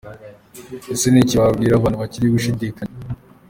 Ese ni iki wabwira abantu bakiri gushidikanya?.